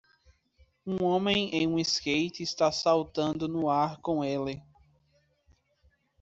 Um homem em um skate está saltando no ar com ele.